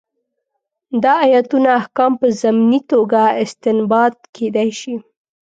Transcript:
دا ایتونه احکام په ضمني توګه استنباط کېدای شي.